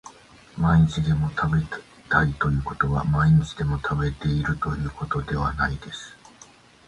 毎日でも食べたいということは毎日でも食べているということではないです